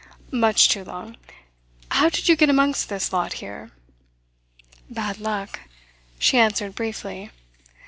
"Much too long. How did you get amongst this lot here?" "Bad luck," she answered briefly.